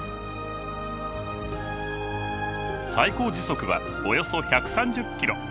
最高時速はおよそ１３０キロ。